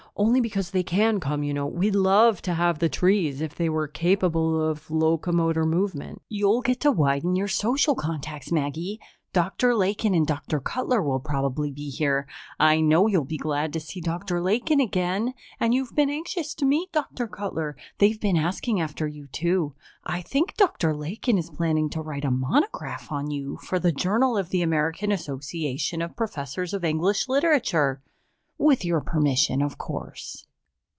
Only because they can come, you know; we'd love to have the trees if they were capable of locomotor movement. You'll get to widen your social contacts, Maggie. Dr. Lakin and Dr. Cutler will probably be here; I know you'll be glad to see Dr. Lakin again, and you've been anxious to meet Dr. Cutler. They've been asking after you, too. I think Dr. Lakin is planning to write a monograph on you for the Journal of the American Association of Professors of English Literature with your permission, of course."